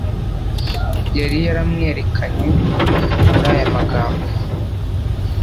yari yaramwerekanye muri aya magambo